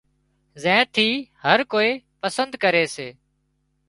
زين ٿي هر ڪوئي پسند ڪري سي